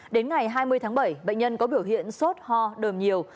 đến ngày hai mươi tháng bảy bệnh nhân có biểu hiện sốt ho đờm nhiều